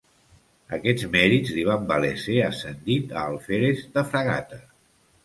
Aquests mèrits li van valer ser ascendit a alferes de fragata.